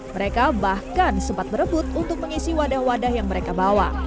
mereka bahkan sempat berebut untuk mengisi wadah wadah yang mereka bawa